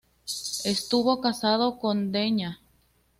Estuvo casado con Dña.